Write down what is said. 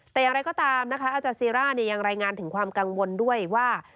แต่อย่างไรก็ตามนะคะอาจาซีร่าเนี่ยยังรายงานถึงความกังวลด้วยว่า